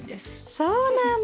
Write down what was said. そうなんだ。